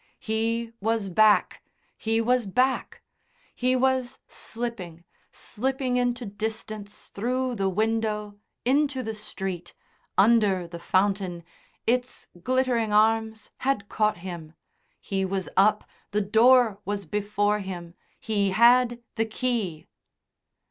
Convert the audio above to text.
He was back! He was back! He was slipping, slipping into distance through the window into the street, under the fountain, its glittering arms had caught him; he was up, the door was before him, he had the key.